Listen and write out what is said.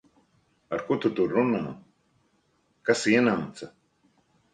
Ar ko tu tur runā? Kas ienāca?